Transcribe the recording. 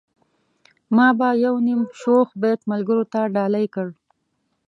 ما به يو نيم شوخ بيت ملګرو ته ډالۍ کړ.